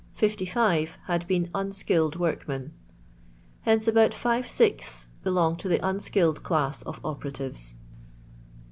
55 „ unskilled workmen. Hence about five sixths belong to the unskilled class of operatives.